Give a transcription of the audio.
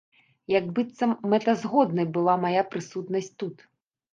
Як быццам мэтазгоднай была мая прысутнасць тут!